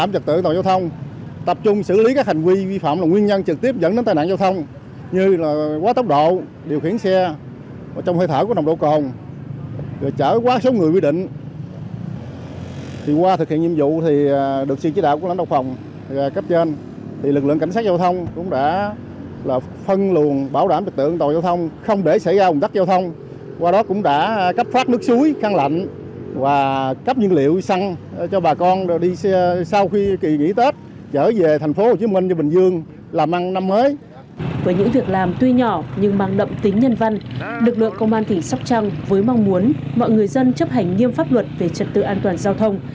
với những việc làm tuy nhỏ nhưng mang đậm tính nhân văn lực lượng công an tỉnh sóc trăng với mong muốn mọi người dân chấp hành nghiêm pháp luật về trật tự an toàn giao thông